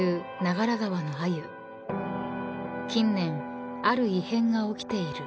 ［近年ある異変が起きている］